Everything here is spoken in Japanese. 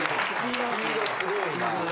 スピードすごいな。